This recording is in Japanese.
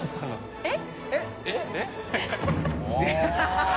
えっ！